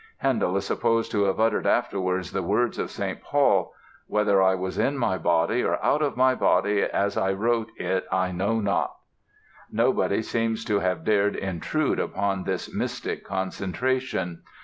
Handel is supposed to have uttered afterwards the words of St. Paul: "Whether I was in my body or out of my body as I wrote it I know not." Nobody seems to have dared intrude upon this mystic concentration.